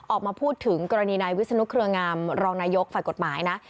ออกมาพูดถึงกรณีนายวิศนุเครืองามรองนายกฝ่ายกฎหมายนะ